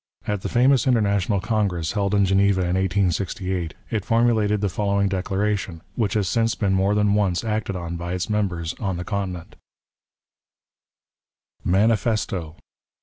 At the famous International Congress, held in Geneva in 1868, it formulated the following declaration, which has since been more than once acted on by its members on the Continent : "Manifesto.